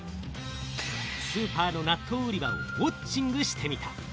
スーパーの納豆売り場をウオッチングしてみた。